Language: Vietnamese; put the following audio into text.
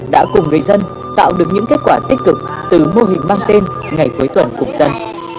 đã cùng người dân tạo được những kết quả tích cực từ mô hình mang tên ngày cuối tuần cùng dân